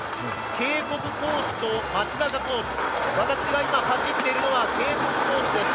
渓谷コースとまちなかコース、私が今走っているのは渓谷コースです。